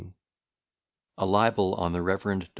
B._] A LIBEL ON THE REVEREND DR.